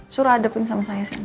surah adepin sama saya sini